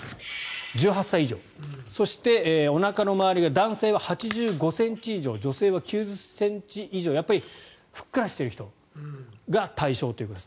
１８歳以上そして、おなかの周りが男性は８５ｃｍ以上女性は９０ｃｍ以上やっぱり、ふっくらしている人が対象ということです。